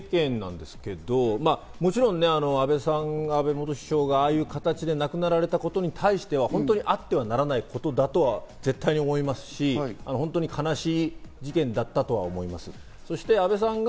これも本当に僕の個人的な意見ですけど、もちろん、安倍元首相がああいう形で亡くなられたことに対しては本当にあってはならないことだとは絶対に思いますし、本当に悲しい事件だったと思います。